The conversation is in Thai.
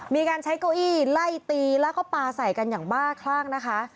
มีการใช้เก้าอี้ไล่ตีแล้วก็ปลาใส่กันอย่างบ้าคลั่งนะคะ